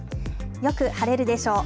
よく晴れるでしょう。